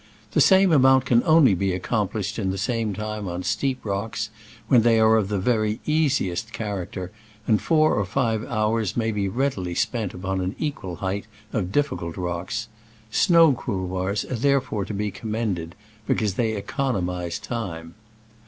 The same amount can only be accomplished in the same time on steep rocks when they are of the very easiest character, and four or five hours may be readily spent upon an equal height of dif ficult rocks. Snow couloirs are therefore to be commended because they economize time.